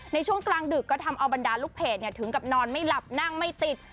ในช่วงกลางดึกก็ทำเอาบรรดาลูกเพจถึงกับนอนไม่หลับนั่งไม่ติด